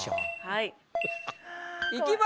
はい。